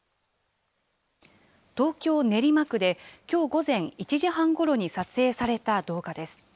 東京・練馬区で、きょう午前１時半ごろに撮影された動画です。